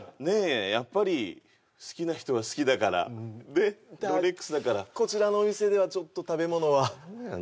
やっぱり好きな人は好きだからねっロレックスだからこちらのお店ではちょっと食べ物は何だよ